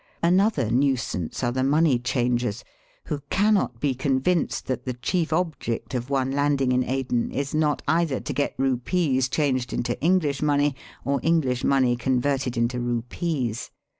Another nuisance are the money changers, who cannot be con vinced that the chief object of one landing in Aden is not either to get rupees changed into EngHsh money or English money converted into rupees.